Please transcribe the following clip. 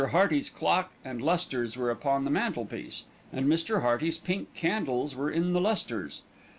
Hearty's clock and lustres were upon the mantelpiece, and Mr. Hearty's pink candles were in the lustres.